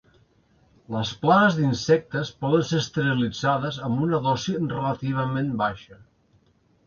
Les plagues d'insectes poden ser esterilitzades amb una dosi relativament baixa.